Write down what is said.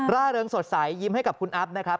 ร่าเริงสดใสยิ้มให้กับคุณอัพนะครับ